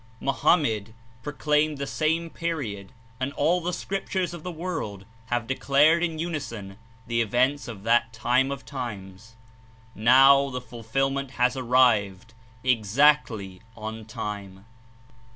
Mahomet proclaimed the same period and all the Scriptures of the world have declared In unison the events of that time of times. Now thk fulfil ment HAS ARRIVED. EXACTLY "ON TIME."